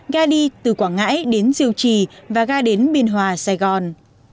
ga đi từ quảng ngãi đến diều trì và ga đến biên hòa sài gòn